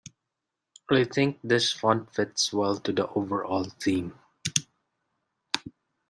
I think this font fits well to the overall theme.